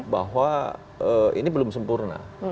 bahwa ini belum sempurna